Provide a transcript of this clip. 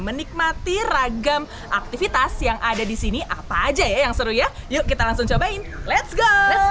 menikmati ragam aktivitas yang ada di sini apa aja ya yang seru ya yuk kita langsung cobain ⁇ lets ⁇ go